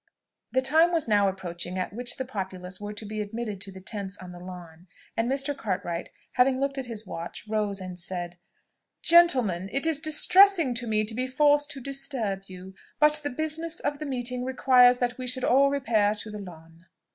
The time was now approaching at which the populace were to be admitted to the tents on the lawn; and Mr. Cartwright having looked at his watch, rose and said, "Gentlemen, It is distressing to me to be forced to disturb you, but the business of the meeting requires that we should all repair to the lawn.